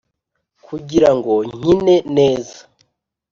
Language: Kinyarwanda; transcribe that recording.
kugirango nkine neza.